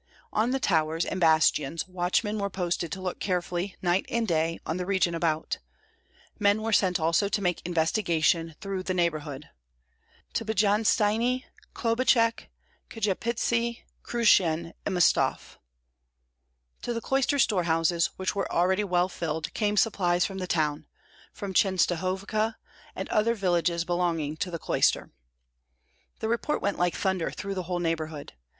On the towers and bastions watchmen were posted to look carefully, night and day, on the region about; men were sent also to make investigation through the neighborhood, to Pjystaini, Klobuchek, Kjepitsi, Krushyn, and Mstov. To the cloister storehouses, which were already well filled, came supplies from the town, from Chenstohovka and other villages belonging to the cloister. The report went like thunder through the whole neighborhood.